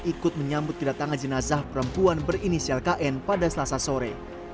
ikut menyambut kedatangan jenazah perempuan berinisial kn pada selasa sore